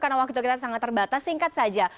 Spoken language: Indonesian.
karena waktu kita sangat terbatas singkat saja